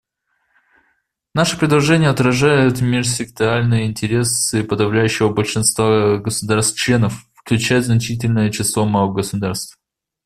Наше предложение отражает межсекторальные интересы подавляющего большинства государств-членов, включая значительное число малых государств.